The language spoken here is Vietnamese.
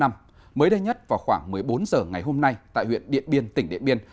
mới đây nhất vào khoảng một mươi bốn h ngày hôm nay tại huyện điện biên tỉnh điện biên